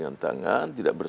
kita bisa bangun negeri